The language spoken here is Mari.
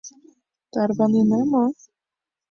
— Тарванена мо?